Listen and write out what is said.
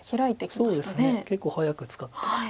そうですね結構早く使ってます。